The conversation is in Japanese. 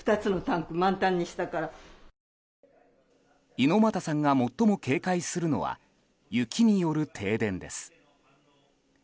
猪俣さんが最も警戒するのは雪による停電です。